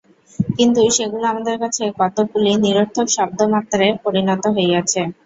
কিন্তু সেগুলি আমাদের কাছে কতকগুলি নিরর্থক শব্দমাত্রে পরিণত হইয়াছে।